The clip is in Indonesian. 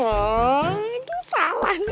aduh salah nih